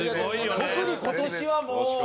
特に今年は、もう。